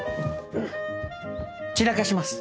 散らかします